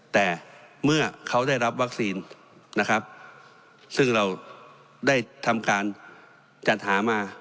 แต่เมื่อเขาได้รับวัคซีนนะครับซึ่งเราได้ทำการจัดหามา